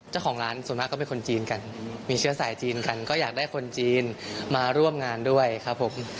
เจ้าของร้านส่วนมากก็เป็นคนจีนกันมีเชื้อสายจีนกันก็อยากได้คนจีนมาร่วมงานด้วยครับผม